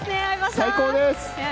最高です！